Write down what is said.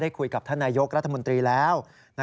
คุยกับท่านนายกรัฐมนตรีแล้ว